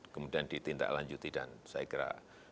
kemudian ditindaklanjuti dan saya kira